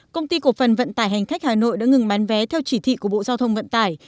công ty cổ phần vận tải hành khách hà nội đã ngừng bán vé theo chỉ thị của bộ giao thông vận tải